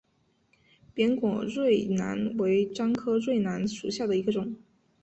扁果润楠为樟科润楠属下的一个种。